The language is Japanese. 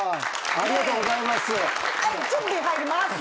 ありがとうございます。